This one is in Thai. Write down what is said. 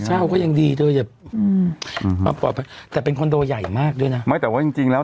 เช่าก็ยังดีด้วยอืมแต่เป็นคอนโดใหญ่มากด้วยน่ะไม่แต่ว่าจริงจริงแล้ว